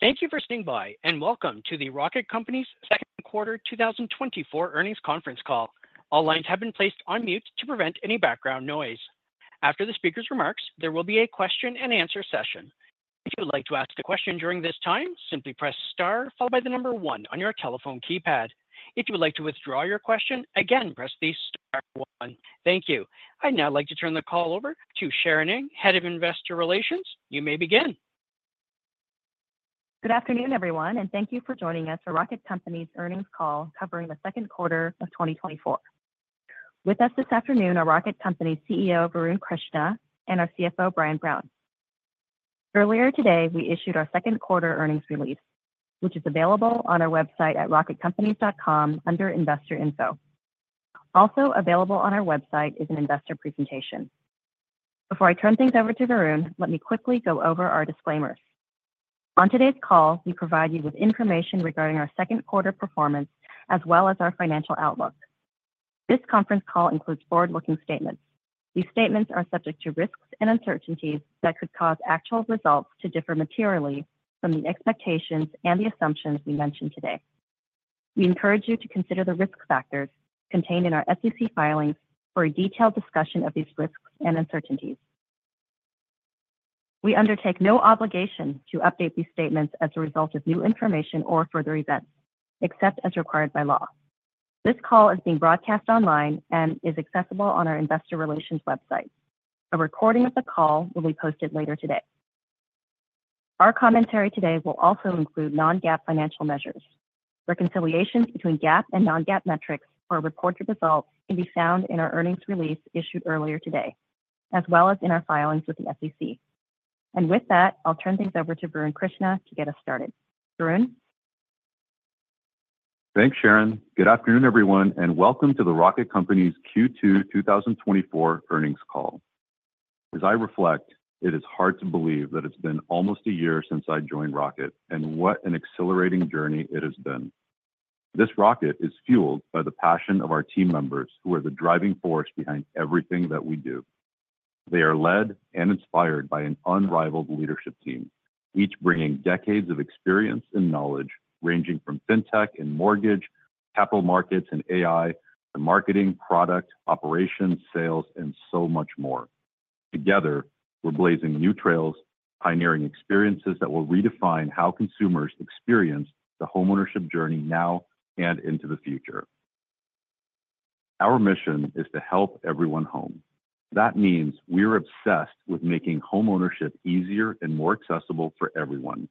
Thank you for staying by, and welcome to the Rocket Companies' Q2 2024 earnings conference call. All lines have been placed on mute to prevent any background noise. After the speaker's remarks, there will be a question and answer session. If you would like to ask a question during this time, simply press star followed by the number 1 on your telephone keypad. If you would like to withdraw your question, again, press the star 1. Thank you. I'd now like to turn the call over to Sharon Ng, Head of Investor Relations. You may begin. Good afternoon, everyone, and thank you for joining us for Rocket Companies' earnings call covering the Q2 of 2024. With us this afternoon are Rocket Companies' CEO, Varun Krishna, and our CFO, Brian Brown. Earlier today, we issued our Q2 earnings release, which is available on our website at rocketcompanies.com under Investor Info. Also available on our website is an investor presentation. Before I turn things over to Varun, let me quickly go over our disclaimers. On today's call, we provide you with information regarding our Q2 performance, as well as our financial outlook. This conference call includes forward-looking statements. These statements are subject to risks and uncertainties that could cause actual results to differ materially from the expectations and the assumptions we mention today. We encourage you to consider the risk factors contained in our SEC filings for a detailed discussion of these risks and uncertainties. We undertake no obligation to update these statements as a result of new information or further events, except as required by law. This call is being broadcast online and is accessible on our investor relations website. A recording of the call will be posted later today. Our commentary today will also include non-GAAP financial measures. Reconciliations between GAAP and non-GAAP metrics for reported results can be found in our earnings release issued earlier today, as well as in our filings with the SEC. With that, I'll turn things over to Varun Krishna to get us started. Varun? Thanks, Sharon. Good afternoon, everyone, and welcome to the Rocket Companies' Q2 2024 earnings call. As I reflect, it is hard to believe that it's been almost a year since I joined Rocket, and what an exhilarating journey it has been! This rocket is fueled by the passion of our team members, who are the driving force behind everything that we do. They are led and inspired by an unrivaled leadership team, each bringing decades of experience and knowledge, ranging from fintech and mortgage, capital markets and AI, to marketing, product, operations, sales, and so much more. Together, we're blazing new trails, pioneering experiences that will redefine how consumers experience the homeownership journey now and into the future. Our mission is to help everyone home. That means we're obsessed with making homeownership easier and more accessible for everyone.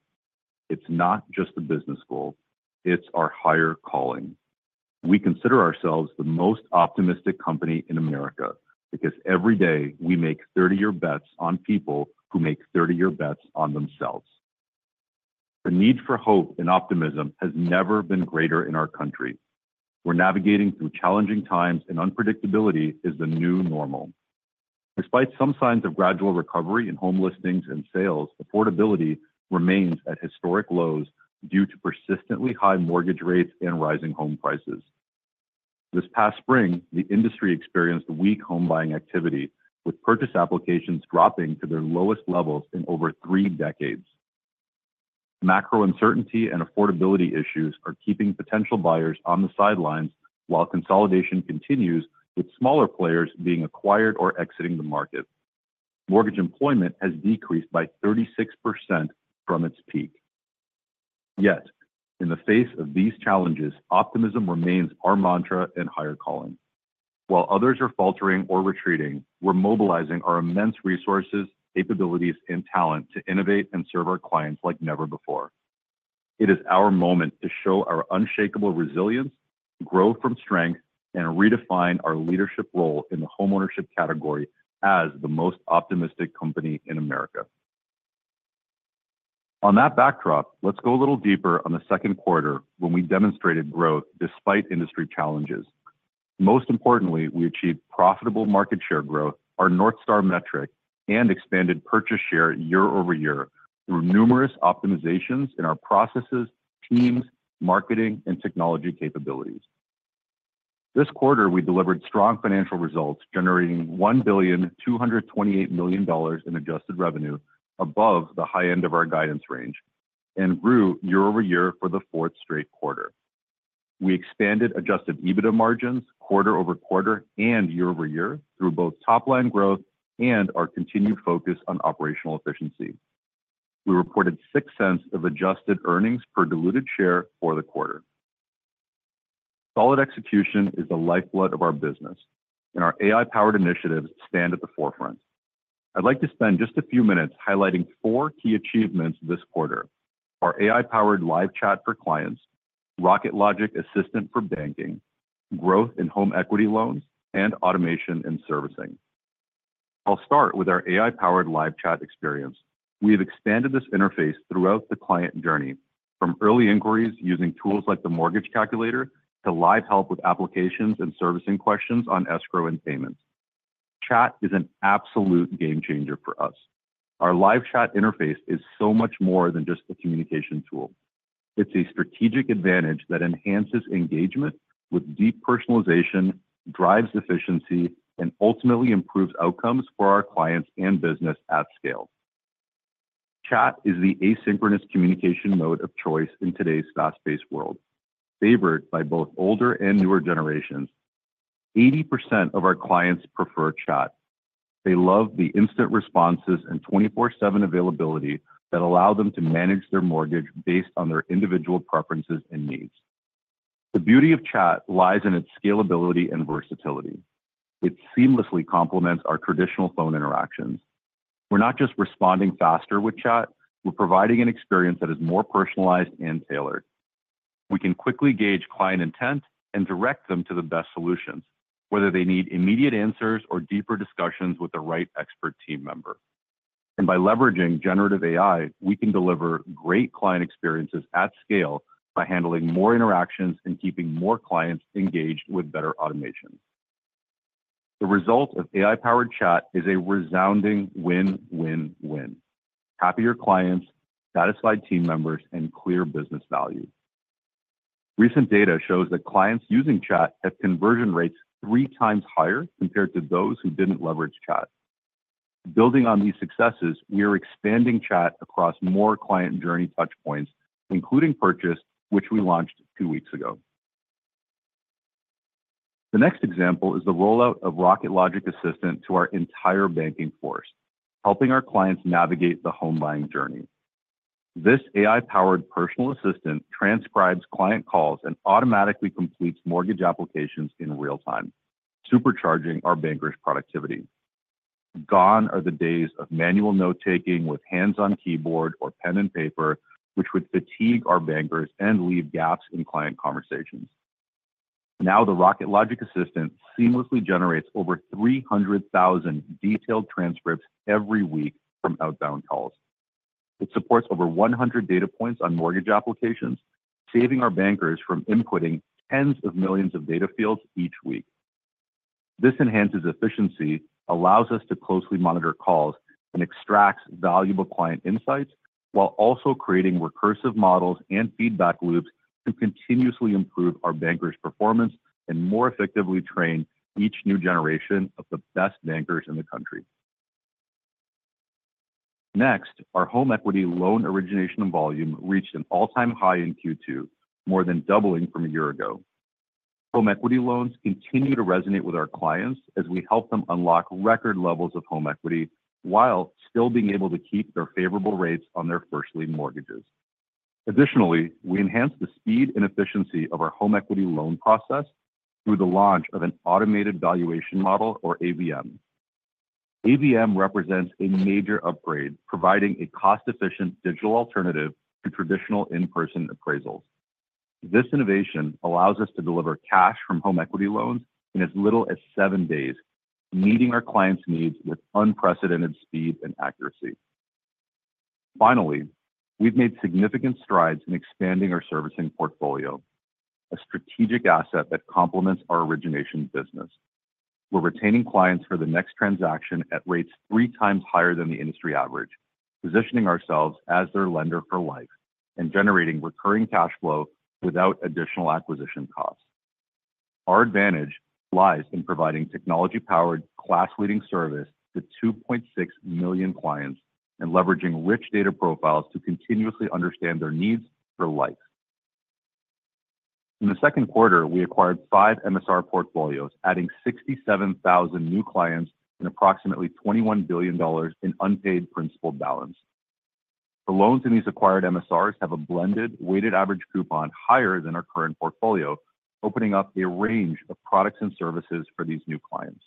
It's not just a business goal, it's our higher calling. We consider ourselves the most optimistic company in America because every day we make 30-year bets on people who make 30-year bets on themselves. The need for hope and optimism has never been greater in our country. We're navigating through challenging times, and unpredictability is the new normal. Despite some signs of gradual recovery in home listings and sales, affordability remains at historic lows due to persistently high mortgage rates and rising home prices. This past spring, the industry experienced weak home buying activity, with purchase applications dropping to their lowest levels in over three decades. Macro uncertainty and affordability issues are keeping potential buyers on the sidelines, while consolidation continues, with smaller players being acquired or exiting the market. Mortgage employment has decreased by 36% from its peak. Yet, in the face of these challenges, optimism remains our mantra and higher calling. While others are faltering or retreating, we're mobilizing our immense resources, capabilities, and talent to innovate and serve our clients like never before. It is our moment to show our unshakable resilience, grow from strength, and redefine our leadership role in the homeownership category as the most optimistic company in America. On that backdrop, let's go a little deeper on the Q2, when we demonstrated growth despite industry challenges. Most importantly, we achieved profitable market share growth, our North Star metric, and expanded purchase share year over year through numerous optimizations in our processes, teams, marketing, and technology capabilities. This quarter, we delivered strong financial results, generating $1.228 billion in Adjusted Revenue above the high end of our guidance range and grew year-over-year for the fourth straight quarter. We expanded Adjusted EBITDA margins quarter-over-quarter and year-over-year through both top-line growth and our continued focus on operational efficiency. We reported $0.06 of Adjusted Earnings per Diluted Share for the quarter. Solid execution is the lifeblood of our business, and our AI-powered initiatives stand at the forefront. I'd like to spend just a few minutes highlighting four key achievements this quarter: our AI-powered live chat for clients, Rocket Logic Assistant for banking, growth in home equity loans, and automation and servicing. I'll start with our AI-powered live chat experience. We have expanded this interface throughout the client journey, from early inquiries using tools like the mortgage calculator to live help with applications and servicing questions on escrow and payments. Chat is an absolute game changer for us. Our live chat interface is so much more than just a communication tool.... It's a strategic advantage that enhances engagement with deep personalization, drives efficiency, and ultimately improves outcomes for our clients and business at scale. Chat is the asynchronous communication mode of choice in today's fast-paced world, favored by both older and newer generations. 80% of our clients prefer chat. They love the instant responses and 24/7 availability that allow them to manage their mortgage based on their individual preferences and needs. The beauty of chat lies in its scalability and versatility. It seamlessly complements our traditional phone interactions. We're not just responding faster with chat, we're providing an experience that is more personalized and tailored. We can quickly gauge client intent and direct them to the best solutions, whether they need immediate answers or deeper discussions with the right expert team member. By leveraging generative AI, we can deliver great client experiences at scale by handling more interactions and keeping more clients engaged with better automation. The result of AI-powered chat is a resounding win, win, win. Happier clients, satisfied team members, and clear business value. Recent data shows that clients using chat have conversion rates three times higher compared to those who didn't leverage chat. Building on these successes, we are expanding chat across more client journey touch points, including purchase, which we launched two weeks ago. The next example is the rollout of Rocket Logic Assistant to our entire banking force, helping our clients navigate the home buying journey. This AI-powered personal assistant transcribes client calls and automatically completes mortgage applications in real time, supercharging our bankers' productivity. Gone are the days of manual note-taking with hands-on-keyboard or pen and paper, which would fatigue our bankers and leave gaps in client conversations. Now, the Rocket Logic Assistant seamlessly generates over 300,000 detailed transcripts every week from outbound calls. It supports over 100 data points on mortgage applications, saving our bankers from inputting tens of millions of data fields each week. This enhances efficiency, allows us to closely monitor calls, and extracts valuable client insights, while also creating recursive models and feedback loops to continuously improve our bankers' performance and more effectively train each new generation of the best bankers in the country. Next, our home equity loan origination and volume reached an all-time high in Q2, more than doubling from a year ago. Home equity loans continue to resonate with our clients as we help them unlock record levels of home equity while still being able to keep their favorable rates on their first lien mortgages. Additionally, we enhanced the speed and efficiency of our home equity loan process through the launch of an automated valuation model or AVM. AVM represents a major upgrade, providing a cost-efficient digital alternative to traditional in-person appraisals. This innovation allows us to deliver cash from home equity loans in as little as seven days, meeting our clients' needs with unprecedented speed and accuracy. Finally, we've made significant strides in expanding our servicing portfolio, a strategic asset that complements our origination business. We're retaining clients for the next transaction at rates 3 times higher than the industry average, positioning ourselves as their lender for life and generating recurring cash flow without additional acquisition costs. Our advantage lies in providing technology-powered, class-leading service to 2.6 million clients and leveraging rich data profiles to continuously understand their needs for life. In the Q2, we acquired 5 MSR portfolios, adding 67,000 new clients and approximately $21 billion in unpaid principal balance. The loans in these acquired MSRs have a blended, weighted average coupon higher than our current portfolio, opening up a range of products and services for these new clients.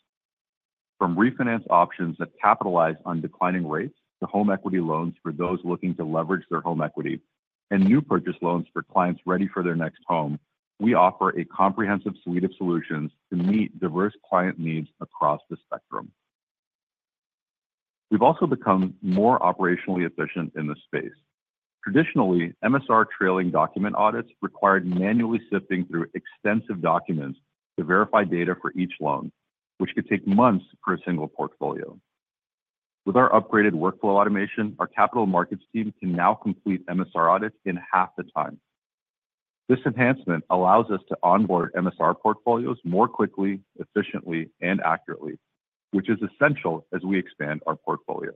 From refinance options that capitalize on declining rates to home equity loans for those looking to leverage their home equity, and new purchase loans for clients ready for their next home, we offer a comprehensive suite of solutions to meet diverse client needs across the spectrum. We've also become more operationally efficient in this space. Traditionally, MSR trailing document audits required manually sifting through extensive documents to verify data for each loan, which could take months for a single portfolio. With our upgraded workflow automation, our capital markets team can now complete MSR audits in half the time. This enhancement allows us to onboard MSR portfolios more quickly, efficiently, and accurately, which is essential as we expand our portfolio.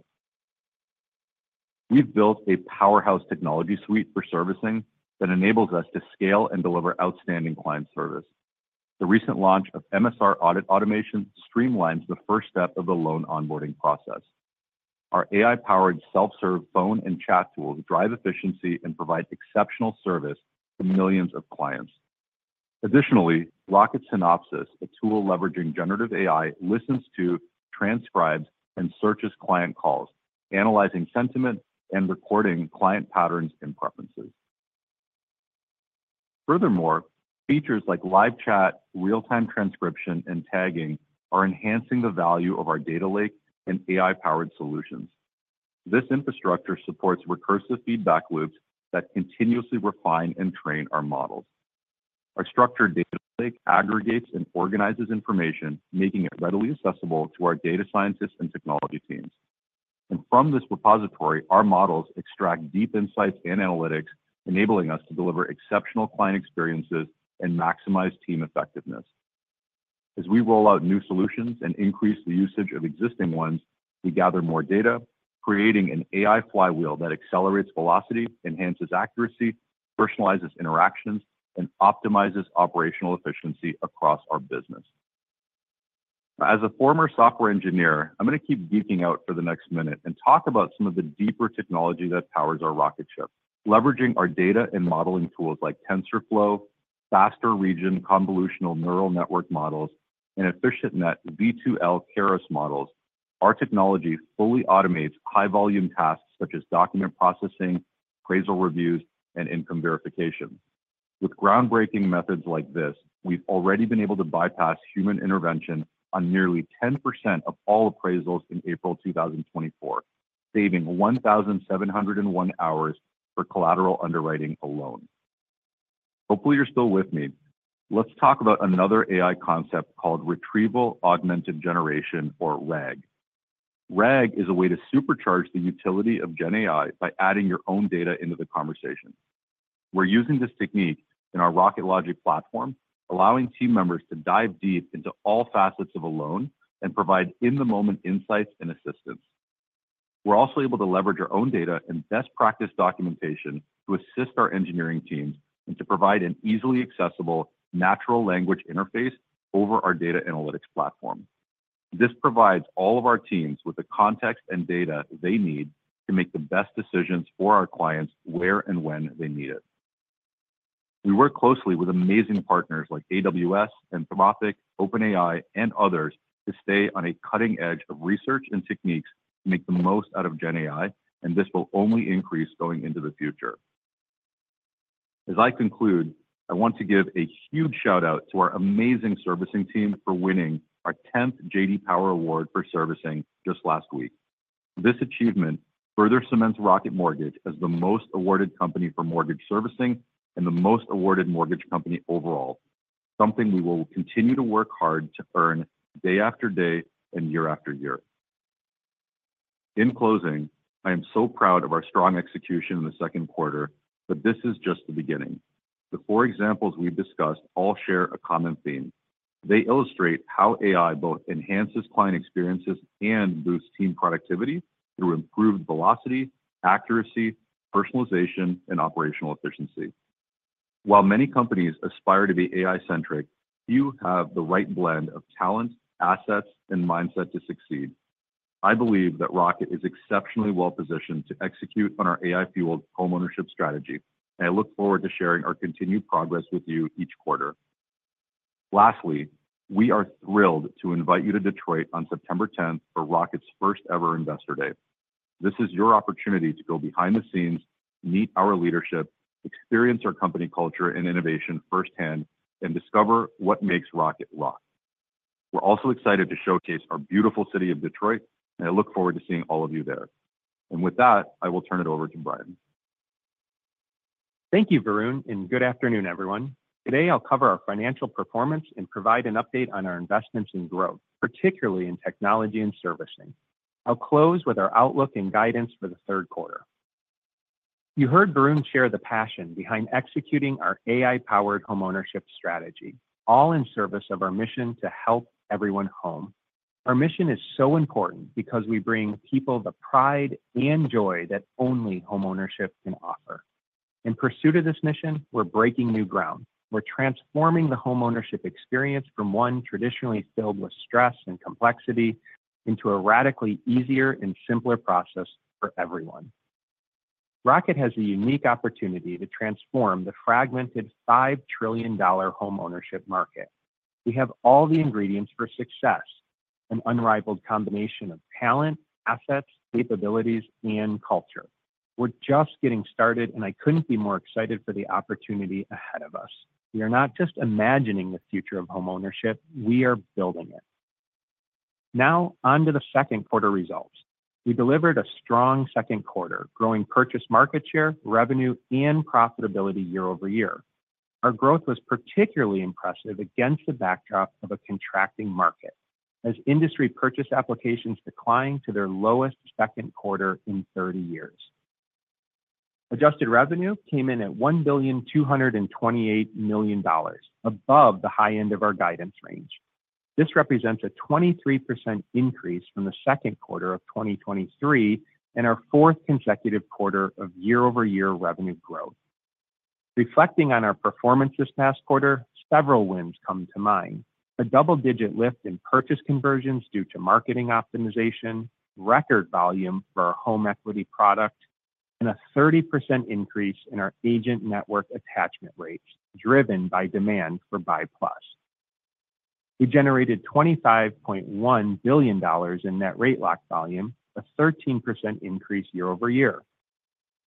We've built a powerhouse technology suite for servicing that enables us to scale and deliver outstanding client service. The recent launch of MSR audit automation streamlines the first step of the loan onboarding process. Our AI-powered self-serve phone and chat tools drive efficiency and provide exceptional service to millions of clients. Additionally, Rocket Synopsis, a tool leveraging generative AI, listens to, transcribes, and searches client calls, analyzing sentiment and recording client patterns and preferences. Furthermore, features like live chat, real-time transcription, and tagging are enhancing the value of our data lake and AI-powered solutions. This infrastructure supports recursive feedback loops that continuously refine and train our models.... Our structured data lake aggregates and organizes information, making it readily accessible to our data scientists and technology teams. And from this repository, our models extract deep insights and analytics, enabling us to deliver exceptional client experiences and maximize team effectiveness. As we roll out new solutions and increase the usage of existing ones, we gather more data, creating an AI flywheel that accelerates velocity, enhances accuracy, personalizes interactions, and optimizes operational efficiency across our business. As a former software engineer, I'm gonna keep geeking out for the next minute and talk about some of the deeper technology that powers our rocket ship. Leveraging our data and modeling tools like TensorFlow, Faster Region Convolutional Neural Network models, and EfficientNet-V2L Keras models, our technology fully automates high-volume tasks such as document processing, appraisal reviews, and income verification. With groundbreaking methods like this, we've already been able to bypass human intervention on nearly 10% of all appraisals in April 2024, saving 1,701 hours for collateral underwriting alone. Hopefully, you're still with me. Let's talk about another AI concept called Retrieval-Augmented Generation, or RAG. RAG is a way to supercharge the utility of GenAI by adding your own data into the conversation. We're using this technique in our Rocket Logic platform, allowing team members to dive deep into all facets of a loan and provide in-the-moment insights and assistance. We're also able to leverage our own data and best practice documentation to assist our engineering teams and to provide an easily accessible natural language interface over our data analytics platform. This provides all of our teams with the context and data they need to make the best decisions for our clients, where and when they need it. We work closely with amazing partners like AWS, Informatica, OpenAI, and others, to stay on a cutting edge of research and techniques to make the most out of GenAI, and this will only increase going into the future. As I conclude, I want to give a huge shout-out to our amazing servicing team for winning our tenth J.D. Power Award for servicing just last week. This achievement further cements Rocket Mortgage as the most awarded company for mortgage servicing and the most awarded mortgage company overall, something we will continue to work hard to earn day after day and year after year. In closing, I am so proud of our strong execution in the Q2, but this is just the beginning. The four examples we've discussed all share a common theme. They illustrate how AI both enhances client experiences and boosts team productivity through improved velocity, accuracy, personalization, and operational efficiency. While many companies aspire to be AI-centric, few have the right blend of talent, assets, and mindset to succeed. I believe that Rocket is exceptionally well-positioned to execute on our AI-fueled homeownership strategy, and I look forward to sharing our continued progress with you each quarter. Lastly, we are thrilled to invite you to Detroit on September tenth for Rocket's first-ever Investor Day. This is your opportunity to go behind the scenes, meet our leadership, experience our company culture and innovation firsthand, and discover what makes Rocket rock. We're also excited to showcase our beautiful city of Detroit, and I look forward to seeing all of you there. With that, I will turn it over to Brian. Thank you, Varun, and good afternoon, everyone. Today, I'll cover our financial performance and provide an update on our investments and growth, particularly in technology and servicing. I'll close with our outlook and guidance for the Q3. You heard Varun share the passion behind executing our AI-powered homeownership strategy, all in service of our mission to help everyone home. Our mission is so important because we bring people the pride and joy that only homeownership can offer. In pursuit of this mission, we're breaking new ground. We're transforming the homeownership experience from one traditionally filled with stress and complexity into a radically easier and simpler process for everyone. Rocket has a unique opportunity to transform the fragmented $5 trillion homeownership market. We have all the ingredients for success: an unrivaled combination of talent, assets, capabilities, and culture. We're just getting started, and I couldn't be more excited for the opportunity ahead of us. We are not just imagining the future of homeownership, we are building it. Now, on to the Q2 results. We delivered a strong Q2, growing purchase market share, revenue, and profitability year-over-year. Our growth was particularly impressive against the backdrop of a contracting market, as industry purchase applications declined to their lowest Q2 in 30 years. Adjusted Revenue came in at $1.228 billion, above the high end of our guidance range. This represents a 23% increase from the Q2 of 2023 and our fourth consecutive quarter of year-over-year revenue growth. Reflecting on our performance this past quarter, several wins come to mind: a double-digit lift in purchase conversions due to marketing optimization, record volume for our home equity product, and a 30% increase in our agent network attachment rates, driven by demand for BUY+. We generated $25.1 billion in net rate lock volume, a 13% increase year-over-year.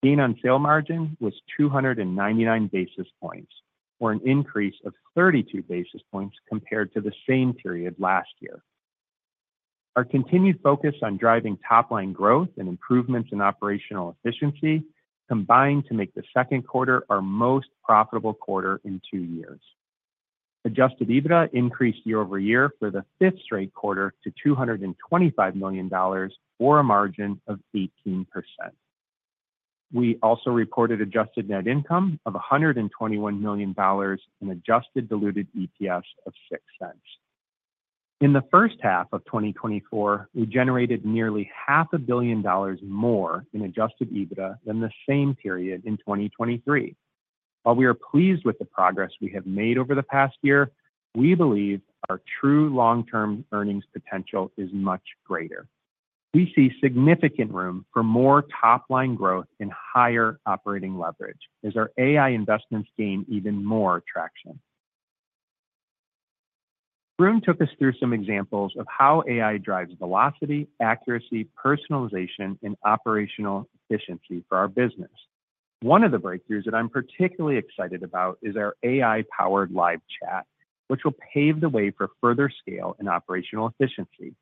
Gain on sale margin was 299 basis points, or an increase of 32 basis points compared to the same period last year. Our continued focus on driving top-line growth and improvements in operational efficiency combined to make the Q2 our most profitable quarter in 2 years. Adjusted EBITDA increased year-over-year for the fifth straight quarter to $225 million, or a margin of 18%. We also reported adjusted net income of $121 million and adjusted diluted EPS of $0.06. In the first half of 2024, we generated nearly $500 million more in adjusted EBITDA than the same period in 2023. While we are pleased with the progress we have made over the past year, we believe our true long-term earnings potential is much greater. We see significant room for more top-line growth and higher operating leverage as our AI investments gain even more traction. Varun took us through some examples of how AI drives velocity, accuracy, personalization, and operational efficiency for our business. One of the breakthroughs that I'm particularly excited about is our AI-powered live chat, which will pave the way for further scale and operational efficiency.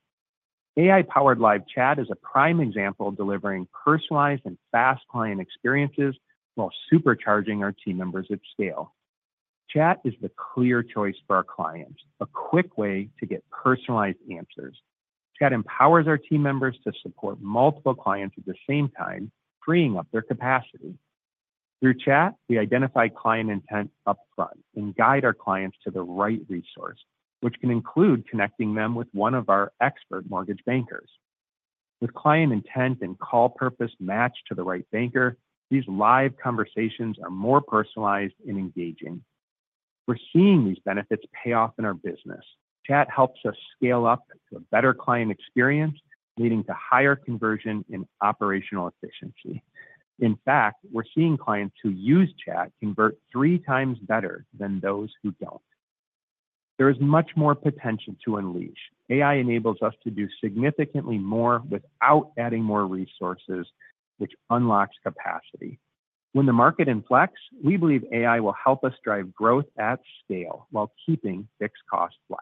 AI-powered live chat is a prime example of delivering personalized and fast client experiences while supercharging our team members at scale. Chat is the clear choice for our clients, a quick way to get personalized answers. Chat empowers our team members to support multiple clients at the same time, freeing up their capacity. Through chat, we identify client intent upfront and guide our clients to the right resource, which can include connecting them with one of our expert mortgage bankers. With client intent and call purpose matched to the right banker, these live conversations are more personalized and engaging. We're seeing these benefits pay off in our business. Chat helps us scale up to a better client experience, leading to higher conversion and operational efficiency. In fact, we're seeing clients who use chat convert three times better than those who don't. There is much more potential to unleash. AI enables us to do significantly more without adding more resources, which unlocks capacity. When the market inflects, we believe AI will help us drive growth at scale while keeping fixed costs flat.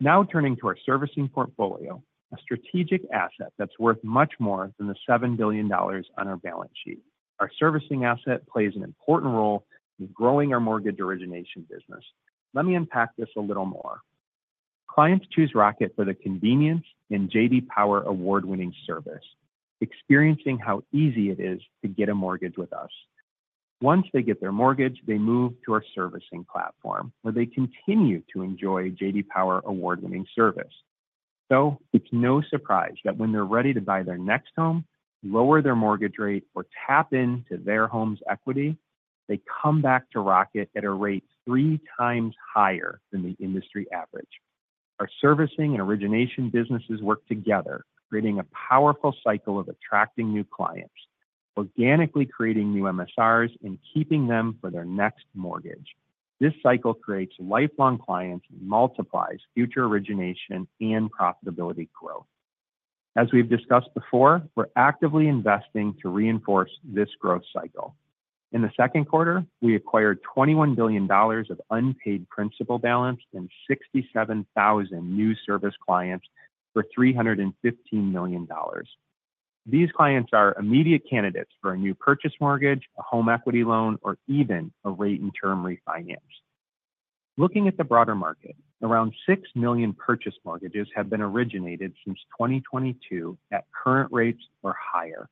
Now, turning to our servicing portfolio, a strategic asset that's worth much more than the $7 billion on our balance sheet. Our servicing asset plays an important role in growing our mortgage origination business. Let me unpack this a little more. Clients choose Rocket for the convenience and J.D. Power Award-winning service, experiencing how easy it is to get a mortgage with us. Once they get their mortgage, they move to our servicing platform, where they continue to enjoy J.D. Power Award-winning service. So it's no surprise that when they're ready to buy their next home, lower their mortgage rate, or tap into their home's equity, they come back to Rocket at a rate three times higher than the industry average. Our servicing and origination businesses work together, creating a powerful cycle of attracting new clients, organically creating new MSRs, and keeping them for their next mortgage. This cycle creates lifelong clients and multiplies future origination and profitability growth. As we've discussed before, we're actively investing to reinforce this growth cycle. In the Q2, we acquired $21 billion of unpaid principal balance and 67,000 new service clients for $315 million. These clients are immediate candidates for a new purchase mortgage, a home equity loan, or even a rate and term refinance. Looking at the broader market, around 6 million purchase mortgages have been originated since 2022 at current rates or higher.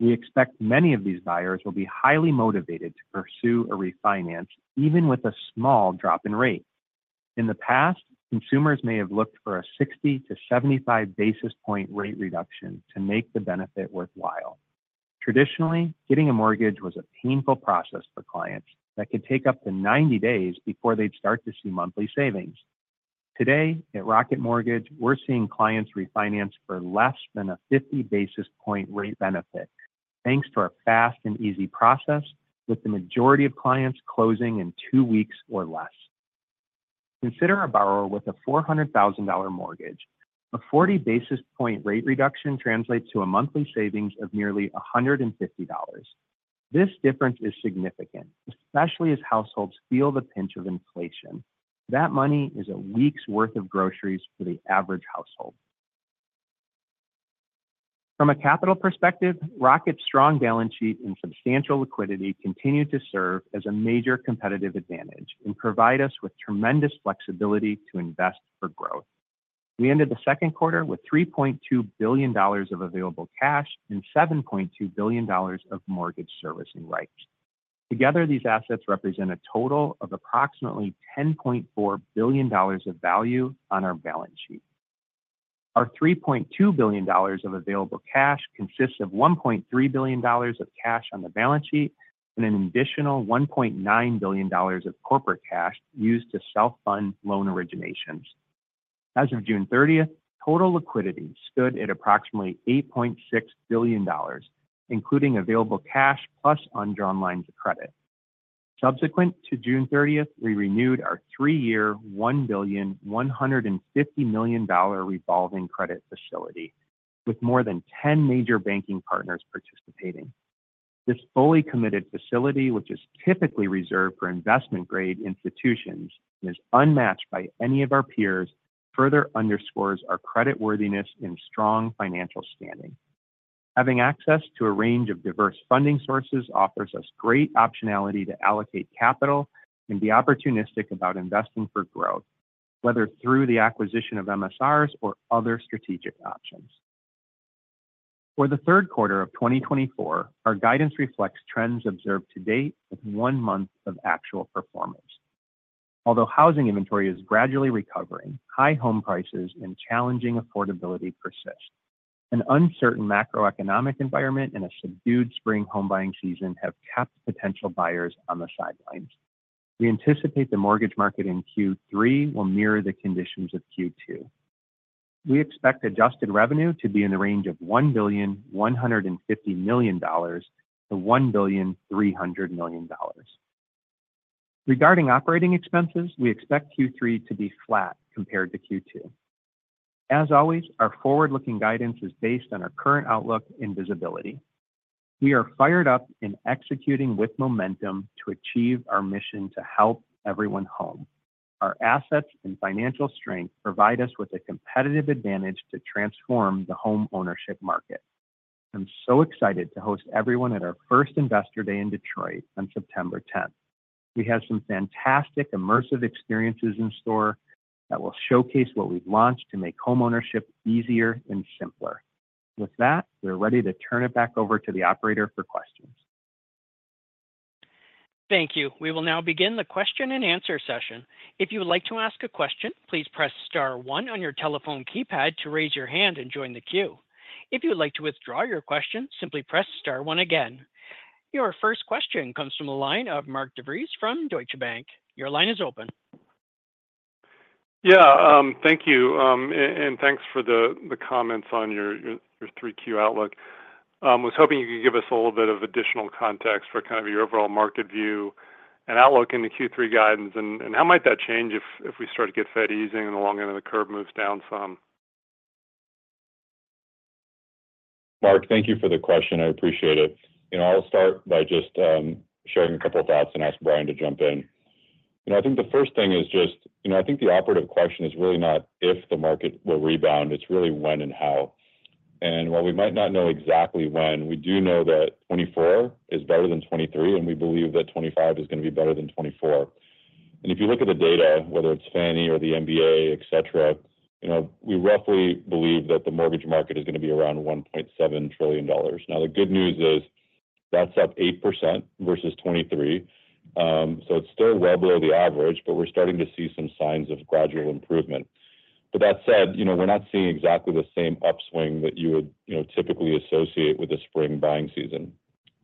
We expect many of these buyers will be highly motivated to pursue a refinance, even with a small drop in rate. In the past, consumers may have looked for a 60-75 basis point rate reduction to make the benefit worthwhile. Traditionally, getting a mortgage was a painful process for clients that could take up to 90 days before they'd start to see monthly savings. Today, at Rocket Mortgage, we're seeing clients refinance for less than a 50 basis point rate benefit, thanks to our fast and easy process, with the majority of clients closing in two weeks or less. Consider a borrower with a $400,000 mortgage. A 40 basis point rate reduction translates to a monthly savings of nearly $150. This difference is significant, especially as households feel the pinch of inflation. That money is a week's worth of groceries for the average household. From a capital perspective, Rocket's strong balance sheet and substantial liquidity continue to serve as a major competitive advantage and provide us with tremendous flexibility to invest for growth. We ended the Q2 with $3.2 billion of available cash and $7.2 billion of mortgage servicing rights. Together, these assets represent a total of approximately $10.4 billion of value on our balance sheet. Our $3.2 billion of available cash consists of $1.3 billion of cash on the balance sheet and an additional $1.9 billion of corporate cash used to self-fund loan originations. As of June 30, total liquidity stood at approximately $8.6 billion, including available cash plus undrawn lines of credit. Subsequent to June 30, we renewed our three-year, $1.15 billion revolving credit facility with more than 10 major banking partners participating. This fully committed facility, which is typically reserved for investment-grade institutions and is unmatched by any of our peers, further underscores our creditworthiness and strong financial standing. Having access to a range of diverse funding sources offers us great optionality to allocate capital and be opportunistic about investing for growth, whether through the acquisition of MSRs or other strategic options. For the Q3 of 2024, our guidance reflects trends observed to date with one month of actual performance. Although housing inventory is gradually recovering, high home prices and challenging affordability persist. An uncertain macroeconomic environment and a subdued spring home buying season have kept potential buyers on the sidelines. We anticipate the mortgage market in Q3 will mirror the conditions of Q2. We expect adjusted revenue to be in the range of $1.15 billion-$1.3 billion. Regarding operating expenses, we expect Q3 to be flat compared to Q2. As always, our forward-looking guidance is based on our current outlook and visibility. We are fired up in executing with momentum to achieve our mission to help everyone home. Our assets and financial strength provide us with a competitive advantage to transform the homeownership market. I'm so excited to host everyone at our first Investor Day in Detroit on September tenth. We have some fantastic immersive experiences in store that will showcase what we've launched to make homeownership easier and simpler. With that, we're ready to turn it back over to the operator for questions. Thank you. We will now begin the question-and-answer session. If you would like to ask a question, please press star one on your telephone keypad to raise your hand and join the queue. If you would like to withdraw your question, simply press star one again. Your first question comes from the line of Mark DeVries from Deutsche Bank. Your line is open. Yeah, thank you. And thanks for the comments on your Q3 outlook. Was hoping you could give us a little bit of additional context for kind of your overall market view and outlook in the Q3 guidance, and how might that change if we start to get Fed easing and the long end of the curve moves down some? Mark, thank you for the question. I appreciate it. You know, I'll start by just sharing a couple of thoughts and ask Brian to jump in. You know, I think the first thing is just, you know, I think the operative question is really not if the market will rebound, it's really when and how. And while we might not know exactly when, we do know that 2024 is better than 2023, and we believe that 2025 is going to be better than 2024. And if you look at the data, whether it's Fannie Mae or the MBA, et cetera, you know, we roughly believe that the mortgage market is going to be around $1.7 trillion. Now, the good news is that's up 8% versus 2023. So it's still well below the average, but we're starting to see some signs of gradual improvement. But that said, you know, we're not seeing exactly the same upswing that you would, you know, typically associate with the spring buying season.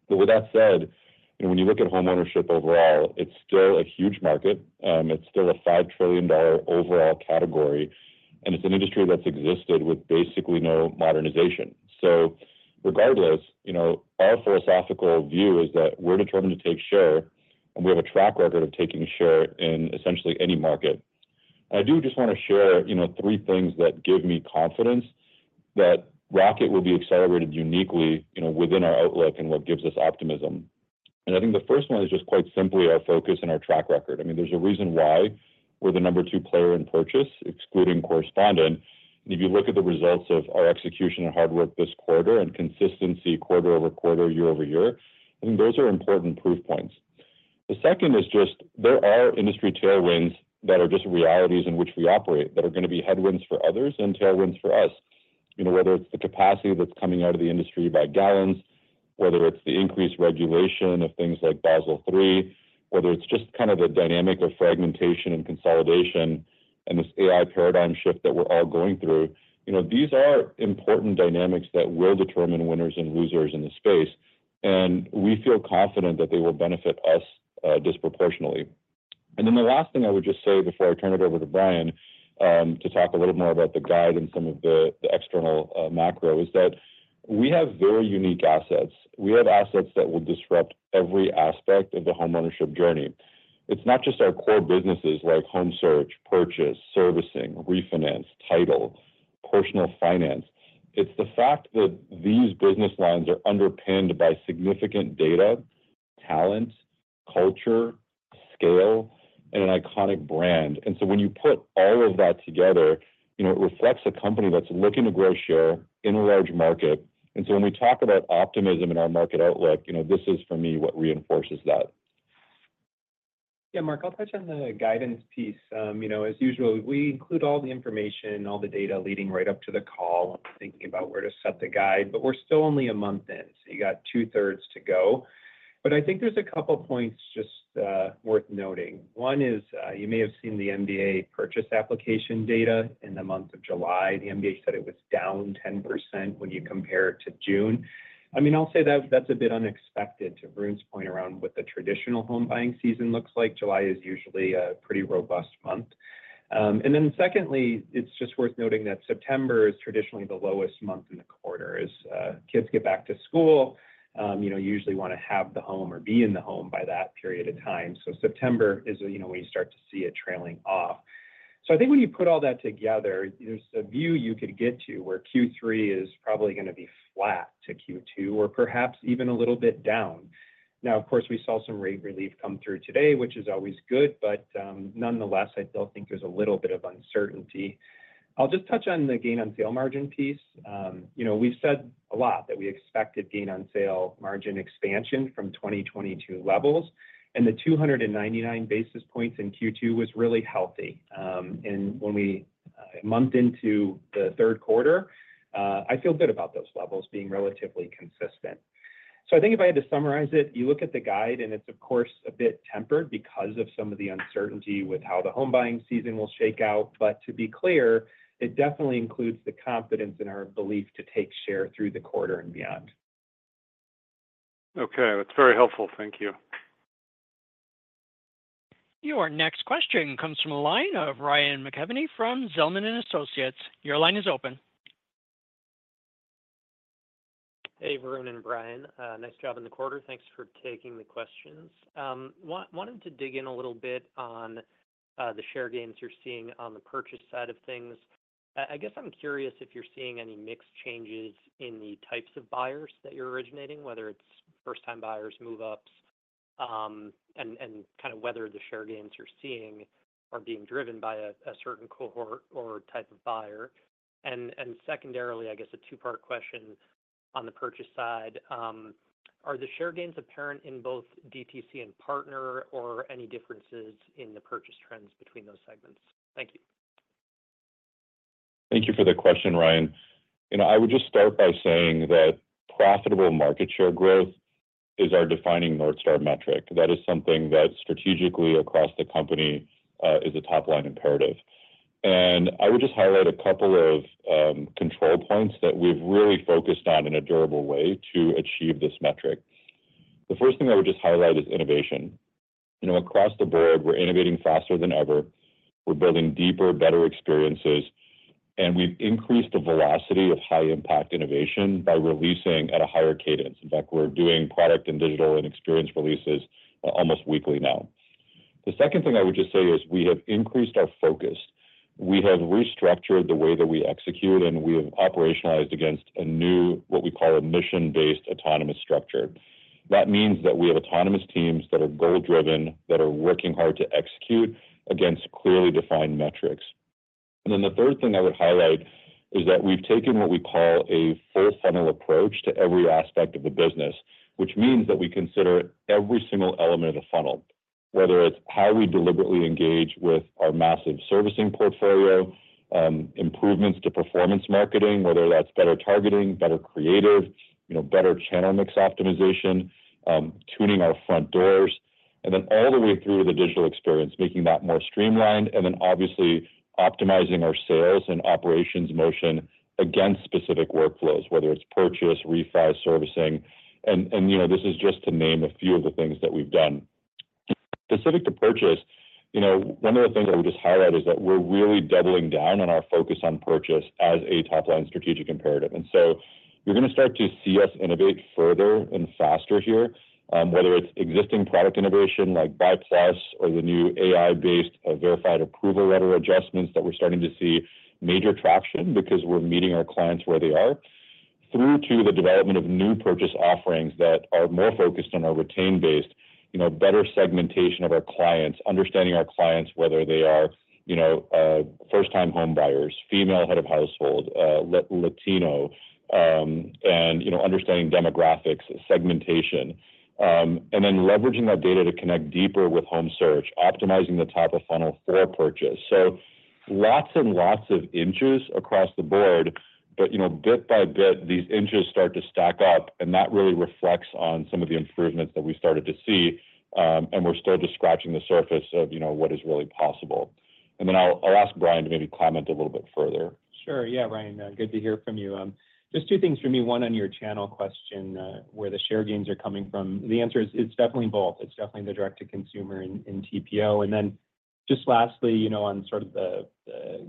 But with that said, you know, when you look at homeownership overall, it's still a huge market. It's still a $5 trillion overall category, and it's an industry that's existed with basically no modernization. So regardless, you know, our philosophical view is that we're determined to take share, and we have a track record of taking share in essentially any market. And I do just want to share, you know, three things that give me confidence that Rocket will be accelerated uniquely, you know, within our outlook and what gives us optimism. And I think the first one is just quite simply our focus and our track record. I mean, there's a reason why we're the number two player in purchase, excluding correspondent. And if you look at the results of our execution and hard work this quarter and consistency quarter-over-quarter, year-over-year, I think those are important proof points. The second is just there are industry tailwinds that are just realities in which we operate, that are going to be headwinds for others and tailwinds for us. You know, whether it's the capacity that's coming out of the industry by gallons, whether it's the increased regulation of things like Basel III, whether it's just kind of the dynamic of fragmentation and consolidation and this AI paradigm shift that we're all going through, you know, these are important dynamics that will determine winners and losers in this space, and we feel confident that they will benefit us disproportionately. And then the last thing I would just say before I turn it over to Brian, to talk a little more about the guide and some of the external macro, is that we have very unique assets. We have assets that will disrupt every aspect of the homeownership journey. It's not just our core businesses like home search, purchase, servicing, refinance, title, personal finance. It's the fact that these business lines are underpinned by significant data, talent, culture, scale, and an iconic brand. And so when you put all of that together, you know, it reflects a company that's looking to grow share in a large market. And so when we talk about optimism in our market outlook, you know, this is for me what reinforces that. Yeah, Mark, I'll touch on the guidance piece. You know, as usual, we include all the information, all the data leading right up to the call when we're thinking about where to set the guide, but we're still only a month in, so you got two-thirds to go. But I think there's a couple points just worth noting. One is, you may have seen the MBA purchase application data in the month of July. The MBA said it was down 10% when you compare it to June. I mean, I'll say that that's a bit unexpected to Varun's point around what the traditional home buying season looks like. July is usually a pretty robust month. And then secondly, it's just worth noting that September is traditionally the lowest month in the quarter as, kids get back to school, you know, you usually want to have the home or be in the home by that period of time. So September is, you know, when you start to see it trailing off... So I think when you put all that together, there's a view you could get to where Q3 is probably going to be flat to Q2 or perhaps even a little bit down. Now, of course, we saw some rate relief come through today, which is always good, but, nonetheless, I still think there's a little bit of uncertainty. I'll just touch on the Gain on Sale Margin piece. You know, we've said a lot that we expected Gain on Sale Margin expansion from 2022 levels, and the 299 basis points in Q2 was really healthy. And when we month into the Q3, I feel good about those levels being relatively consistent. So I think if I had to summarize it, you look at the guide, and it's of course, a bit tempered because of some of the uncertainty with how the home buying season will shake out. But to be clear, it definitely includes the confidence in our belief to take share through the quarter and beyond. Okay, that's very helpful. Thank you. Your next question comes from the line of Ryan McKeveny from Zelman & Associates. Your line is open. Hey, Varun and Brian, nice job in the quarter. Thanks for taking the questions. Wanting to dig in a little bit on the share gains you're seeing on the purchase side of things. I guess I'm curious if you're seeing any mix changes in the types of buyers that you're originating, whether it's first-time buyers, move-ups, and kind of whether the share gains you're seeing are being driven by a certain cohort or type of buyer. And secondarily, I guess a two-part question on the purchase side, are the share gains apparent in both DTC and partner, or any differences in the purchase trends between those segments? Thank you. Thank you for the question, Ryan. You know, I would just start by saying that profitable market share growth is our defining North Star metric. That is something that strategically across the company is a top-line imperative. And I would just highlight a couple of control points that we've really focused on in a durable way to achieve this metric. The first thing I would just highlight is innovation. You know, across the board, we're innovating faster than ever. We're building deeper, better experiences, and we've increased the velocity of high impact innovation by releasing at a higher cadence. In fact, we're doing product and digital and experience releases almost weekly now. The second thing I would just say is we have increased our focus. We have restructured the way that we execute, and we have operationalized against a new, what we call a mission-based autonomous structure. That means that we have autonomous teams that are goal-driven, that are working hard to execute against clearly defined metrics. And then the third thing I would highlight is that we've taken what we call a full funnel approach to every aspect of the business, which means that we consider every single element of the funnel, whether it's how we deliberately engage with our massive servicing portfolio, improvements to performance marketing, whether that's better targeting, better creative, you know, better channel mix optimization, tuning our front doors, and then all the way through the digital experience, making that more streamlined, and then obviously optimizing our sales and operations motion against specific workflows, whether it's purchase, refi, servicing, and, and you know, this is just to name a few of the things that we've done. Specific to purchase, you know, one of the things I would just highlight is that we're really doubling down on our focus on purchase as a top-line strategic imperative. And so you're going to start to see us innovate further and faster here, whether it's existing product innovation, like Buy+ or the new AI-based, verified approval letter adjustments, that we're starting to see major traction because we're meeting our clients where they are, through to the development of new purchase offerings that are more focused on our retained base, you know, better segmentation of our clients, understanding our clients, whether they are, you know, first-time home buyers, female head of household, Latino, and, you know, understanding demographics, segmentation, and then leveraging that data to connect deeper with home search, optimizing the top of funnel for purchase. So lots and lots of inches across the board, but, you know, bit by bit, these inches start to stack up, and that really reflects on some of the improvements that we started to see, and we're still just scratching the surface of, you know, what is really possible. And then I'll ask Brian to maybe comment a little bit further. Sure. Yeah, Ryan, good to hear from you. Just two things from me, one on your channel question, where the share gains are coming from. The answer is, it's definitely both. It's definitely the direct to consumer and TPO. And then just lastly, you know, on sort of the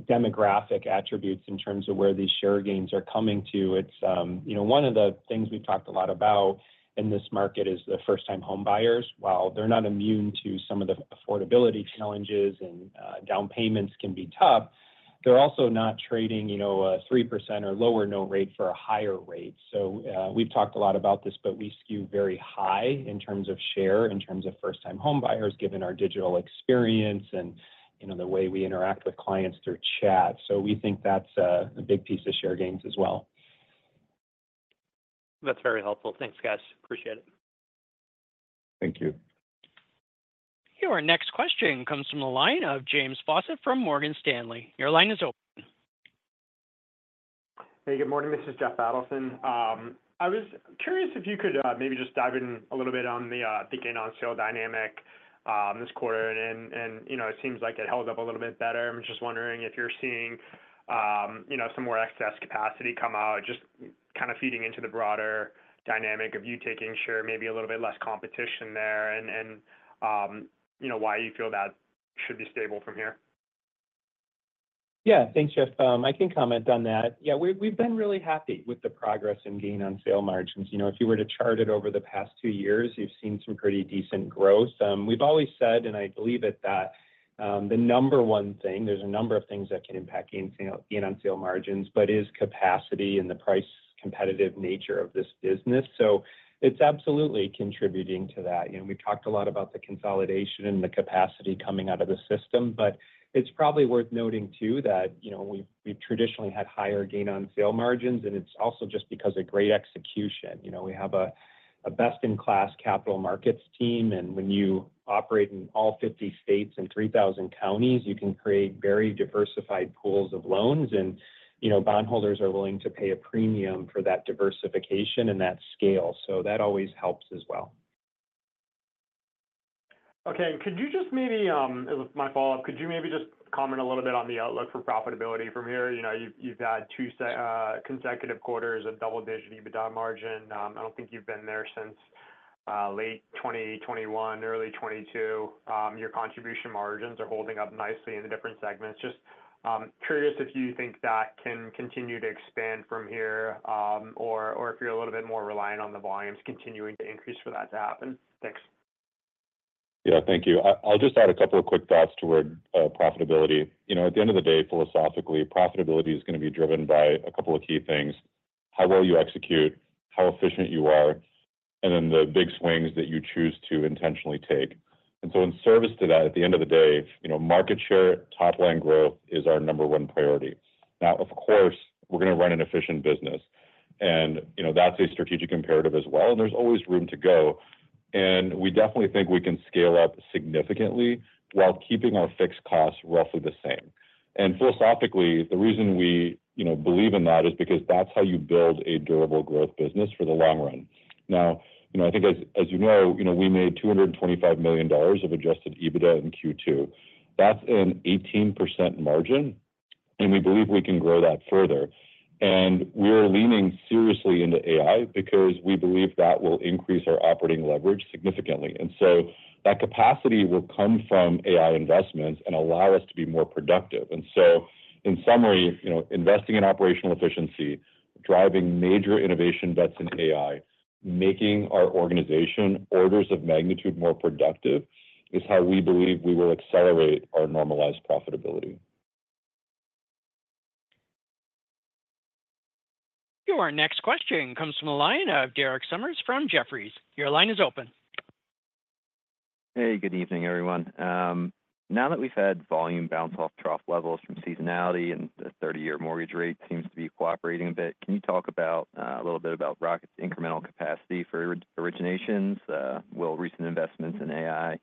demographic attributes in terms of where these share gains are coming to, it's, you know, one of the things we've talked a lot about in this market is the first-time home buyers. While they're not immune to some of the affordability challenges and down payments can be tough, they're also not trading, you know, a 3% or lower no rate for a higher rate. So, we've talked a lot about this, but we skew very high in terms of share, in terms of first-time home buyers, given our digital experience and, you know, the way we interact with clients through chat. So we think that's a big piece of share gains as well. That's very helpful. Thanks, guys. Appreciate it. Thank you. Your next question comes from the line of James Faucette from Morgan Stanley. Your line is open. Hey, good morning, this is Jeff Adelson. I was curious if you could maybe just dive in a little bit on the gain on sale dynamic this quarter, and you know, it seems like it held up a little bit better. I'm just wondering if you're seeing you know, some more excess capacity come out, just kind of feeding into the broader dynamic of you taking share, maybe a little bit less competition there, and you know, why you feel that should be stable from here?... Yeah, thanks, Jeff. I can comment on that. Yeah, we've, we've been really happy with the progress in gain on sale margins. You know, if you were to chart it over the past two years, you've seen some pretty decent growth. We've always said, and I believe it, that the number one thing, there's a number of things that can impact gain on sale margins, but is capacity and the price competitive nature of this business. So it's absolutely contributing to that. You know, we talked a lot about the consolidation and the capacity coming out of the system, but it's probably worth noting, too, that, you know, we've, we've traditionally had higher gain on sale margins, and it's also just because of great execution. You know, we have a best-in-class capital markets team, and when you operate in all 50 states and 3,000 counties, you can create very diversified pools of loans and, you know, bondholders are willing to pay a premium for that diversification and that scale. So that always helps as well. Okay. Could you just maybe. This is my follow-up. Could you maybe just comment a little bit on the outlook for profitability from here? You know, you've, you've had two consecutive quarters of double-digit EBITDA margin. I don't think you've been there since late 2021, early 2022. Your contribution margins are holding up nicely in the different segments. Just curious if you think that can continue to expand from here, or if you're a little bit more reliant on the volumes continuing to increase for that to happen? Thanks. Yeah. Thank you. I, I'll just add a couple of quick thoughts toward profitability. You know, at the end of the day, philosophically, profitability is gonna be driven by a couple of key things: how well you execute, how efficient you are, and then the big swings that you choose to intentionally take. And so in service to that, at the end of the day, you know, market share, top line growth is our number one priority. Now, of course, we're gonna run an efficient business, and, you know, that's a strategic imperative as well, and there's always room to go. And we definitely think we can scale up significantly while keeping our fixed costs roughly the same. And philosophically, the reason we, you know, believe in that is because that's how you build a durable growth business for the long run. Now, you know, I think as, as you know, you know, we made $225 million of adjusted EBITDA in Q2. That's an 18% margin, and we believe we can grow that further. We are leaning seriously into AI because we believe that will increase our operating leverage significantly. So that capacity will come from AI investments and allow us to be more productive. So in summary, you know, investing in operational efficiency, driving major innovation bets in AI, making our organization orders of magnitude more productive, is how we believe we will accelerate our normalized profitability. Your next question comes from the line of Derek Sommers from Jefferies. Your line is open. Hey, good evening, everyone. Now that we've had volume bounce off trough levels from seasonality and the 30-year mortgage rate seems to be cooperating a bit, can you talk about a little bit about Rocket's incremental capacity for originations? Will recent investments in AI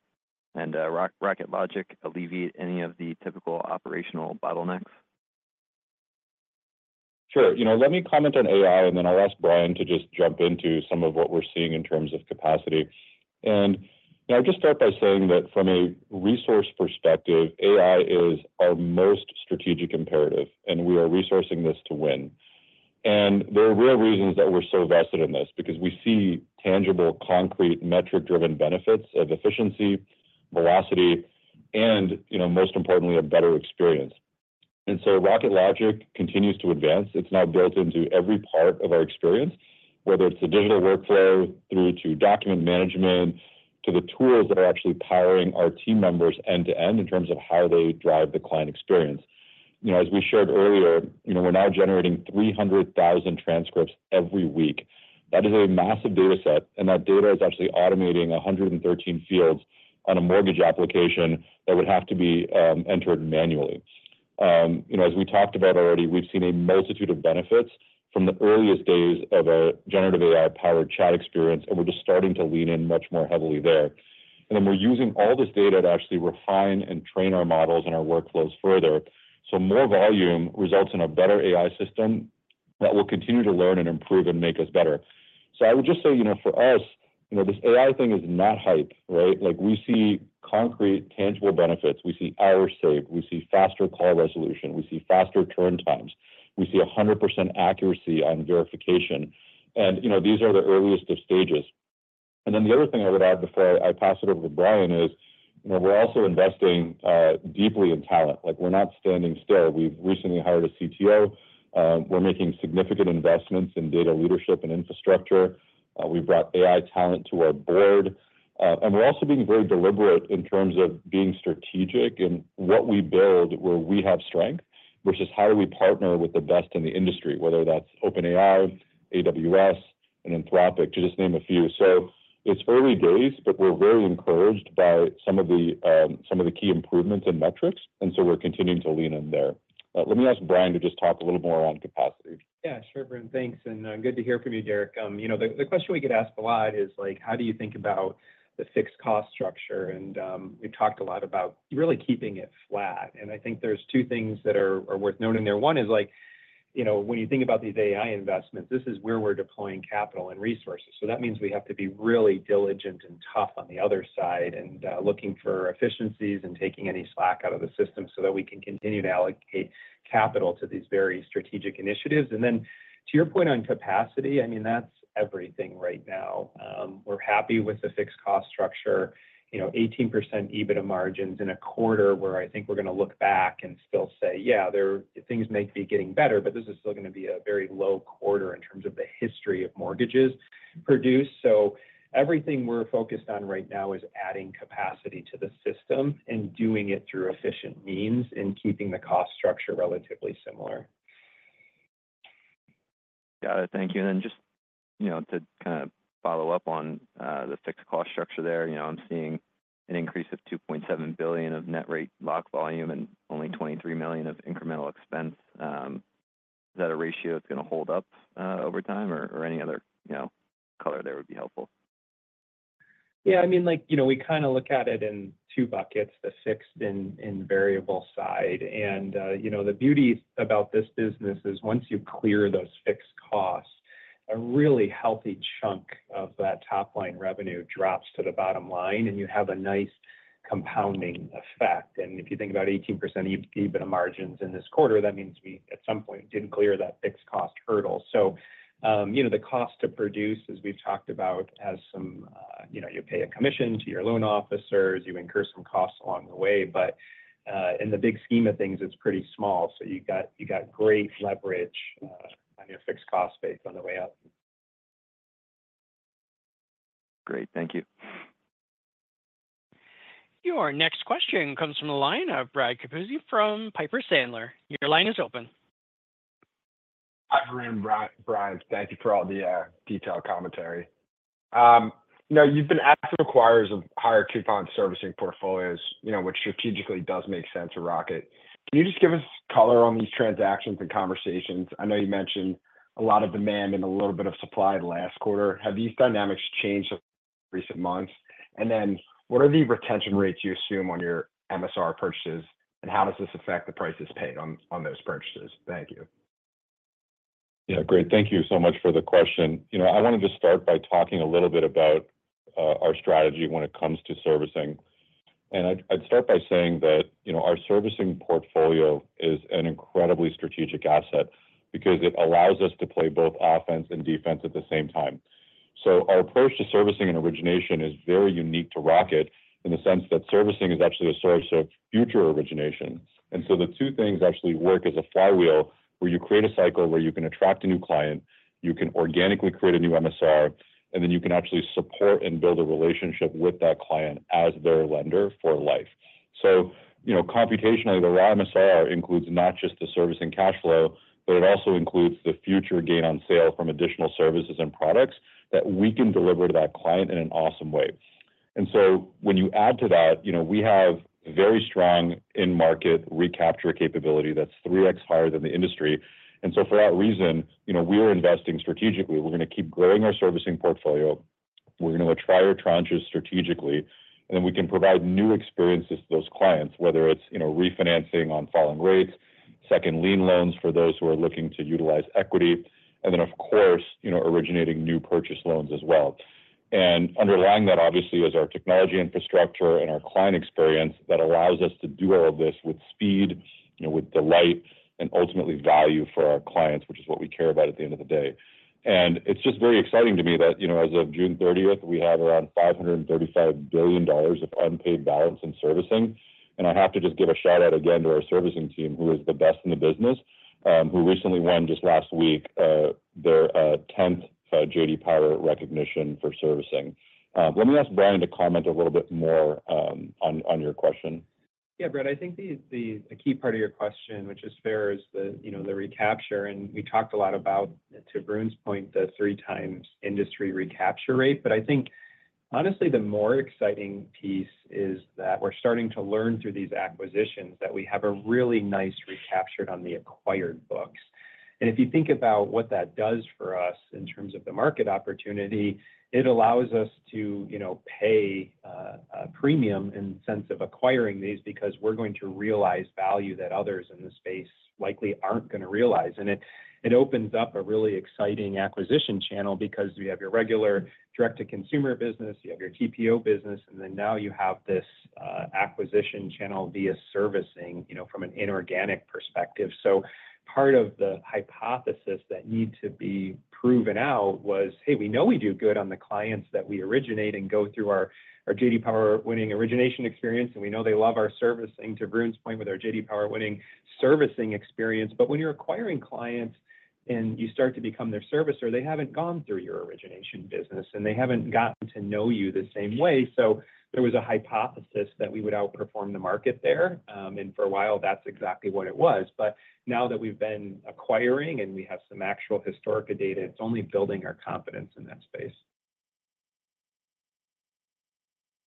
and Rocket Logic alleviate any of the typical operational bottlenecks? Sure. You know, let me comment on AI, and then I'll ask Brian to just jump into some of what we're seeing in terms of capacity. I'll just start by saying that from a resource perspective, AI is our most strategic imperative, and we are resourcing this to win. There are real reasons that we're so vested in this, because we see tangible, concrete, metric-driven benefits of efficiency, velocity, and, you know, most importantly, a better experience. Rocket Logic continues to advance. It's now built into every part of our experience, whether it's the digital workflow, through to document management, to the tools that are actually powering our team members end-to-end in terms of how they drive the client experience. You know, as we shared earlier, you know, we're now generating 300,000 transcripts every week. That is a massive data set, and that data is actually automating 113 fields on a mortgage application that would have to be entered manually. You know, as we talked about already, we've seen a multitude of benefits from the earliest days of our generative AI-powered chat experience, and we're just starting to lean in much more heavily there. And then we're using all this data to actually refine and train our models and our workflows further. So more volume results in a better AI system that will continue to learn and improve and make us better. So I would just say, you know, for us, you know, this AI thing is not hype, right? Like, we see concrete, tangible benefits. We see hours saved, we see faster call resolution, we see faster turn times, we see 100% accuracy on verification. You know, these are the earliest of stages. Then the other thing I would add before I pass it over to Brian is, you know, we're also investing deeply in talent. Like, we're not standing still. We've recently hired a CTO. We're making significant investments in data leadership and infrastructure. We've brought AI talent to our board. And we're also being very deliberate in terms of being strategic in what we build, where we have strength, versus how do we partner with the best in the industry, whether that's OpenAI, AWS, and Anthropic, to just name a few. So it's early days, but we're very encouraged by some of the some of the key improvements in metrics, and so we're continuing to lean in there. Let me ask Brian to just talk a little more on capacity. Yeah, sure, Brian. Thanks, and good to hear from you, Derek. You know, the question we get asked a lot is, like, how do you think about the fixed cost structure? And we've talked a lot about really keeping it flat. And I think there's two things that are worth noting there. One is like, you know, when you think about these AI investments, this is where we're deploying capital and resources. So that means we have to be really diligent and tough on the other side, and looking for efficiencies and taking any slack out of the system so that we can continue to allocate capital to these very strategic initiatives. And then to your point on capacity, I mean, that's everything right now. We're happy with the fixed cost structure. You know, 18% EBITDA margins in a quarter, where I think we're going to look back and still say, "Yeah, things might be getting better, but this is still going to be a very low quarter in terms of the history of mortgages produced." So everything we're focused on right now is adding capacity to the system and doing it through efficient means, and keeping the cost structure relatively similar. Got it. Thank you. And then just, you know, to kind of follow up on the fixed cost structure there, you know, I'm seeing an increase of $2.7 billion of net rate lock volume and only $23 million of incremental expense. Is that a ratio that's going to hold up over time, or any other, you know, color there would be helpful? Yeah, I mean, like, you know, we kind of look at it in two buckets, the fixed and variable side. And, you know, the beauty about this business is once you clear those fixed costs, a really healthy chunk of that top-line revenue drops to the bottom line, and you have a nice compounding effect. And if you think about 18% EBITDA margins in this quarter, that means we, at some point, didn't clear that fixed cost hurdle. So, you know, the cost to produce, as we've talked about, has some, you know, you pay a commission to your loan officers, you incur some costs along the way, but, in the big scheme of things, it's pretty small. So you got great leverage on your fixed cost base on the way up. Great. Thank you. Your next question comes from the line of Brad Capuzzi from Piper Sandler. Your line is open. Hi, Brian, Brad. Thank you for all the detailed commentary. Now, you've been asked for acquirers of higher coupon servicing portfolios, you know, which strategically does make sense to Rocket. Can you just give us color on these transactions and conversations? I know you mentioned a lot of demand and a little bit of supply last quarter. Have these dynamics changed in recent months? And then what are the retention rates you assume on your MSR purchases, and how does this affect the prices paid on those purchases? Thank you. Yeah, great. Thank you so much for the question. You know, I want to just start by talking a little bit about our strategy when it comes to servicing. And I'd start by saying that, you know, our servicing portfolio is an incredibly strategic asset because it allows us to play both offense and defense at the same time. So our approach to servicing and origination is very unique to Rocket in the sense that servicing is actually a source of future origination. And so the two things actually work as a flywheel, where you create a cycle where you can attract a new client, you can organically create a new MSR, and then you can actually support and build a relationship with that client as their lender for life. So you know, computationally, the raw MSR includes not just the servicing cash flow, but it also includes the future gain on sale from additional services and products that we can deliver to that client in an awesome way. And so when you add to that, you know, we have very strong in-market recapture capability that's 3x higher than the industry. And so for that reason, you know, we're investing strategically. We're going to keep growing our servicing portfolio. We're going to acquire tranches strategically, and then we can provide new experiences to those clients, whether it's, you know, refinancing on falling rates, second lien loans for those who are looking to utilize equity, and then, of course, you know, originating new purchase loans as well. Underlying that, obviously, is our technology infrastructure and our client experience that allows us to do all of this with speed, you know, with delight, and ultimately value for our clients, which is what we care about at the end of the day. It's just very exciting to me that, you know, as of June 30th, we had around $535 billion of unpaid balance in servicing. I have to just give a shout-out again to our servicing team, who is the best in the business, who recently won, just last week, their 10th J.D. Power recognition for servicing. Let me ask Brian to comment a little bit more on your question. Yeah, Brad, I think the key part of your question, which is fine, is the, you know, the recapture, and we talked a lot about, to Brian's point, the three times industry recapture rate. But I think honestly, the more exciting piece is that we're starting to learn through these acquisitions that we have a really nice recapture on the acquired books. And if you think about what that does for us in terms of the market opportunity, it allows us to, you know, pay a premium in sense of acquiring these because we're going to realize value that others in the space likely aren't going to realize. And it opens up a really exciting acquisition channel because you have your regular direct-to-consumer business, you have your TPO business, and then now you have this acquisition channel via servicing, you know, from an inorganic perspective. So part of the hypothesis that need to be proven out was, hey, we know we do good on the clients that we originate and go through our, our J.D. Power winning origination experience, and we know they love our servicing, to Brian's point, with our J.D. Power winning servicing experience. But when you're acquiring clients and you start to become their servicer, they haven't gone through your origination business, and they haven't gotten to know you the same way. So there was a hypothesis that we would outperform the market there. And for a while, that's exactly what it was. But now that we've been acquiring and we have some actual historical data, it's only building our confidence in that space.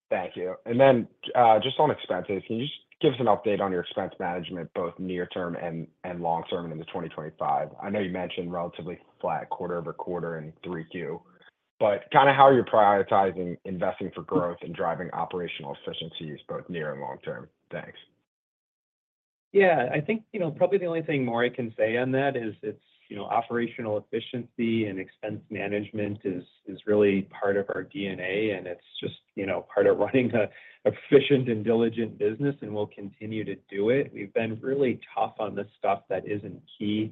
Thank you. And then, just on expenses, can you just give us an update on your expense management, both near term and, and long term into 2025? I know you mentioned relatively flat quarter-over-quarter in Q3, but kind of how are you prioritizing investing for growth and driving operational efficiencies both near and long term? Thanks.... Yeah, I think, you know, probably the only thing more I can say on that is it's, you know, operational efficiency and expense management is really part of our DNA, and it's just, you know, part of running an efficient and diligent business, and we'll continue to do it. We've been really tough on the stuff that isn't key. You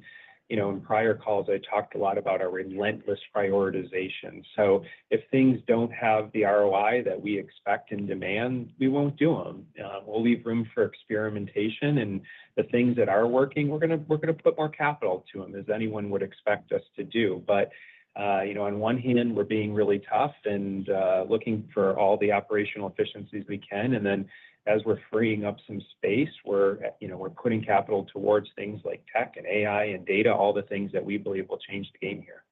know, in prior calls, I talked a lot about our relentless prioritization. So if things don't have the ROI that we expect and demand, we won't do them. We'll leave room for experimentation, and the things that are working, we're gonna put more capital to them, as anyone would expect us to do. But, you know, on one hand, we're being really tough and looking for all the operational efficiencies we can. And then, as we're freeing up some space, we're, you know, we're putting capital towards things like tech and AI and data, all the things that we believe will change the game here.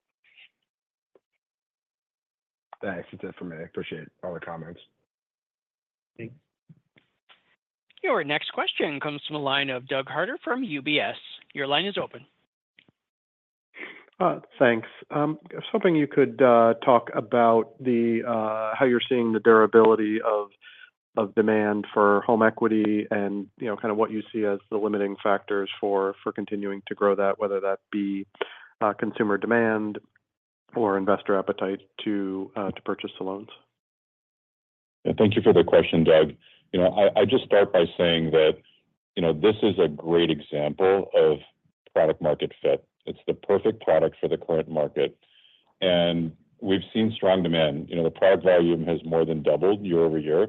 Thanks. That's it for me. I appreciate all the comments. Thanks. Your next question comes from a line of Doug Harter from UBS. Your line is open. Thanks. I was hoping you could talk about how you're seeing the durability of demand for home equity and, you know, kind of what you see as the limiting factors for continuing to grow that, whether that be consumer demand or investor appetite to purchase the loans. Yeah, thank you for the question, Doug. You know, I just start by saying that, you know, this is a great example of product market fit. It's the perfect product for the current market, and we've seen strong demand. You know, the product volume has more than doubled year-over-year,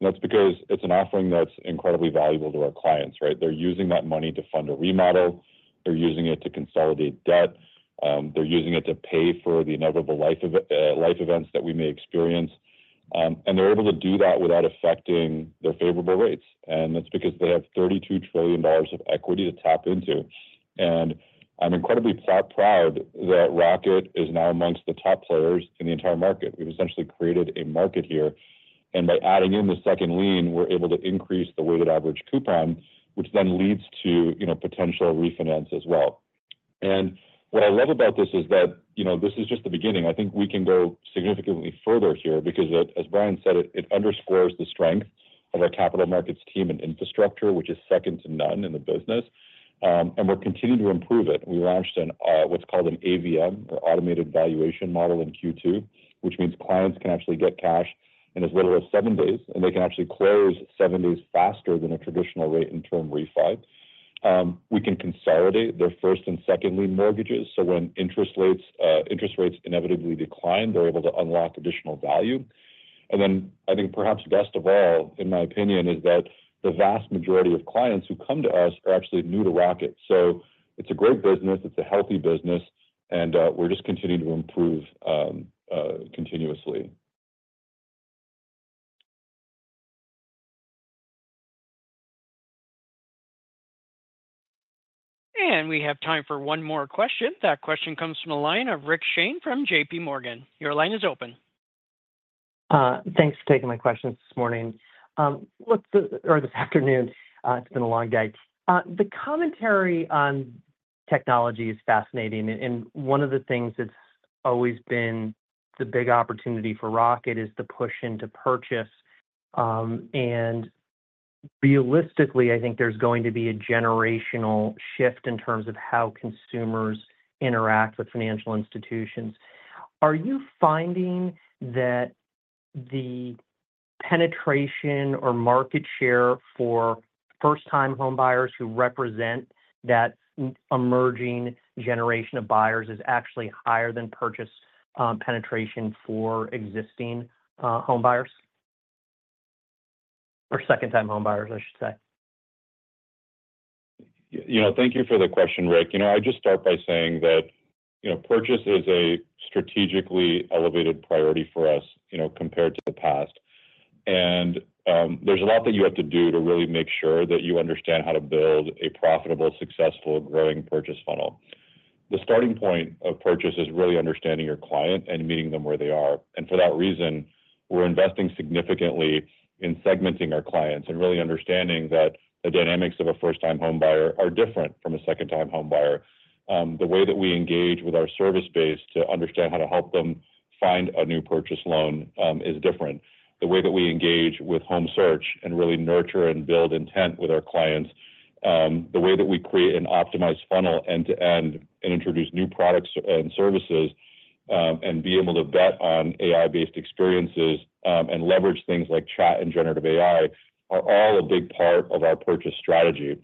and that's because it's an offering that's incredibly valuable to our clients, right? They're using that money to fund a remodel, they're using it to consolidate debt, they're using it to pay for the inevitable life events that we may experience. And they're able to do that without affecting their favorable rates, and that's because they have $32 trillion of equity to tap into. And I'm incredibly proud that Rocket is now amongst the top players in the entire market. We've essentially created a market here, and by adding in the second lien, we're able to increase the weighted average coupon, which then leads to, you know, potential refinance as well. What I love about this is that, you know, this is just the beginning. I think we can go significantly further here because, as Brian said, it, it underscores the strength of our capital markets team and infrastructure, which is second to none in the business. And we're continuing to improve it. We launched what's called an AVM, or automated valuation model, in Q2, which means clients can actually get cash in as little as seven days, and they can actually close seven days faster than a traditional rate and term refi. We can consolidate their first and second lien mortgages, so when interest rates inevitably decline, they're able to unlock additional value. And then, I think perhaps best of all, in my opinion, is that the vast majority of clients who come to us are actually new to Rocket. So it's a great business, it's a healthy business, and we're just continuing to improve continuously. We have time for one more question. That question comes from a line of Rick Shane from J.P. Morgan. Your line is open. Thanks for taking my questions this morning or this afternoon. It's been a long day. The commentary on technology is fascinating, and one of the things that's always been the big opportunity for Rocket is the push into purchase. Realistically, I think there's going to be a generational shift in terms of how consumers interact with financial institutions. Are you finding that the penetration or market share for first-time home buyers who represent that emerging generation of buyers is actually higher than purchase penetration for existing home buyers? Or second-time home buyers, I should say. You know, thank you for the question, Rick. You know, I just start by saying that, you know, purchase is a strategically elevated priority for us, you know, compared to the past. And, there's a lot that you have to do to really make sure that you understand how to build a profitable, successful, growing purchase funnel. The starting point of purchase is really understanding your client and meeting them where they are. And for that reason, we're investing significantly in segmenting our clients and really understanding that the dynamics of a first-time home buyer are different from a second-time home buyer. The way that we engage with our service base to understand how to help them find a new purchase loan, is different. The way that we engage with home search and really nurture and build intent with our clients. The way that we create an optimized funnel end to end and introduce new products and services, and be able to bet on AI-based experiences, and leverage things like chat and generative AI, are all a big part of our purchase strategy.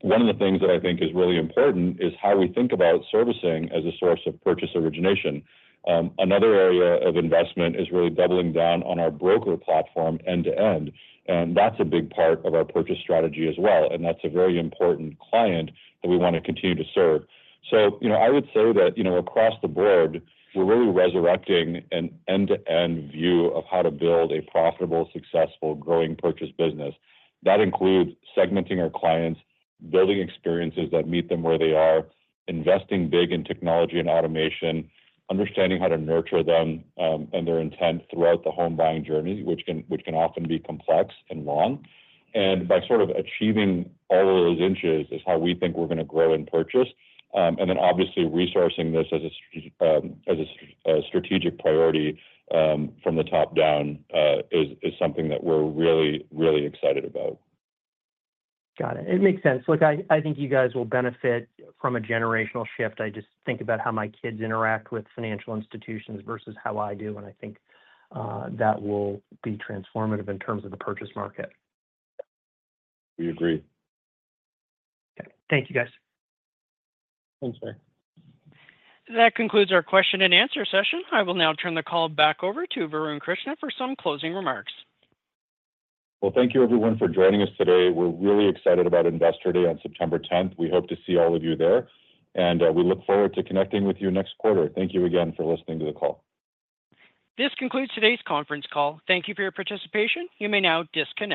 One of the things that I think is really important is how we think about servicing as a source of purchase origination. Another area of investment is really doubling down on our broker platform end to end, and that's a big part of our purchase strategy as well, and that's a very important client that we want to continue to serve. So, you know, I would say that, you know, across the board, we're really resurrecting an end-to-end view of how to build a profitable, successful, growing purchase business. That includes segmenting our clients, building experiences that meet them where they are, investing big in technology and automation, understanding how to nurture them and their intent throughout the home buying journey, which can often be complex and long. By sort of achieving all of those wins is how we think we're gonna grow and purchase. And then obviously, resourcing this as a strategic priority from the top down is something that we're really, really excited about. Got it. It makes sense. Look, I, I think you guys will benefit from a generational shift. I just think about how my kids interact with financial institutions versus how I do, and I think that will be transformative in terms of the purchase market. We agree. Okay. Thank you, guys. Thanks, Rick. That concludes our question and answer session. I will now turn the call back over to Varun Krishna for some closing remarks. Well, thank you everyone for joining us today. We're really excited about Investor Day on September tenth. We hope to see all of you there, and we look forward to connecting with you next quarter. Thank you again for listening to the call. This concludes today's conference call. Thank you for your participation. You may now disconnect.